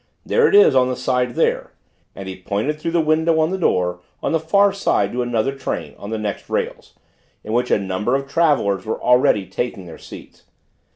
There it is on the side there," and he pointed through the window in the door on the far side to another train on the next rails, in which a number of travellers were already taking their seats.